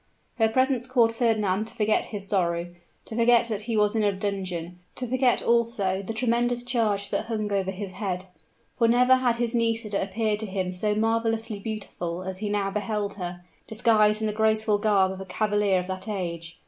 Her presence caused Fernand to forget his sorrow to forget that he was in a dungeon to forget, also, the tremendous charge that hung over his head. For never had his Nisida appeared to him so marvelously beautiful as he now beheld her, disguised in the graceful garb of a cavalier of that age.